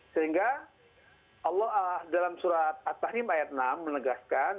sehingga allah dalam surat at tahim ayat enam menegaskan